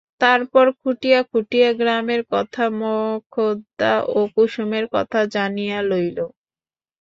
তারপর খুঁটিয়া খুঁটিয়া গ্রামের কথা, মোক্ষদা ও কুসুমের কথাও জানিয়া লইল।